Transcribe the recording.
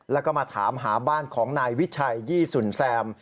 แล้วก็มาถามหาบ้านของนายวิชัยยี่สุนแซม